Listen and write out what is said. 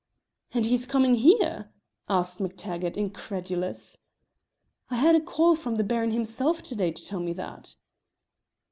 "And he's coming here?" asked MacTaggart, incredulous. "I had a call from the Baron himself to day to tell me that."